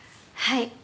はい。